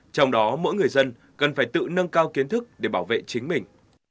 trong đó mỗi người dân cần phải tự nâng cao kiến thức để bảo vệ chính mình